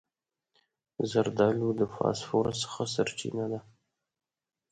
زردالو د فاسفورس ښه سرچینه ده.